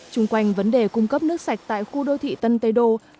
trung quanh vấn đề cung cấp nước sạch tại khu đô thị tân tây đô